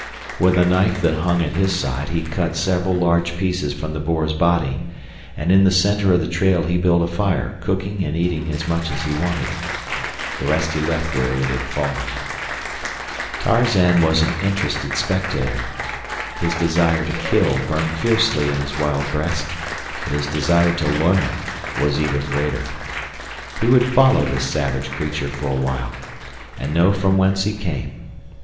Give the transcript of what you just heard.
With a knife that hung at his side he cut several large pieces from the boar's body, and in the center of the trail he built a fire, cooking and eating as much as he wanted. The rest he left where it had fallen. Tarzan was an interested spectator. His desire to kill burned fiercely in his wild breast, but his desire to learn was even greater. He would follow this savage creature for a while and know from whence he came.